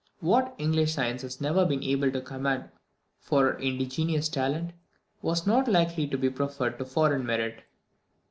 What English science has never been able to command for her indigenous talent, was not likely to be proffered to foreign merit.